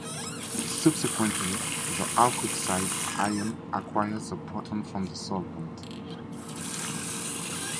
Subsequently, the alkoxide ion acquires a proton from the solvent.